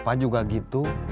apa juga gitu